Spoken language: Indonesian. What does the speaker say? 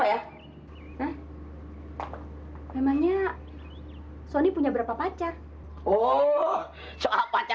ini ada yang kulitnya hitam manis ada yang kulitnya sawo mateng ada lagi yang kulitnya he matte